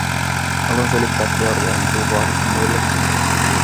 Aloin selittää teoriaani suu vaahdossa muille.